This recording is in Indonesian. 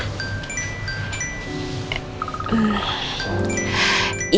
ya udah aku sebentar izin